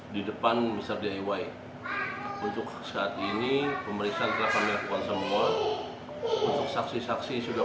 di depan mry untuk saat ini pemeriksaan telah kami lakukan semua untuk saksi saksi sudah